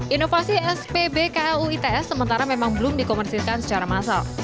inovasi spbklu its sementara memang belum dikomersikan secara massal